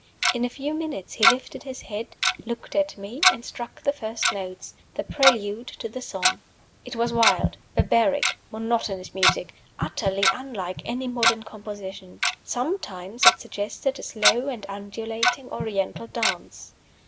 In a few minutes he lifted his head, looked at me, and struck the first notes the prelude to the song. It was wild, barbaric, monotonous music, utterly unlike any modern composition. Sometimes it suggested a slow and undulating Oriental dance.